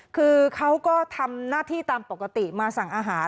คือเขาก็ทำหน้าที่ตามปกติมาสั่งอาหาร